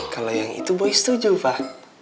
kalo yang itu boy setuju pak